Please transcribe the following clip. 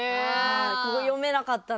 ここ読めなかったな。